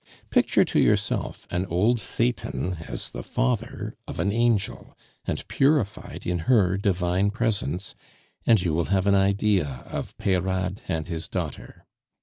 Picture to yourself an old Satan as the father of an angel, and purified in her divine presence, and you will have an idea of Peyrade and his daughter.